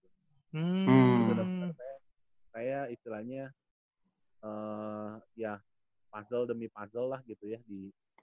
jadi menurut saya saya istilahnya ya puzzle demi puzzle lah gitu ya di